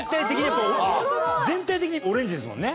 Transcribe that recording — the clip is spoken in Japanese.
全体的にオレンジですもんね。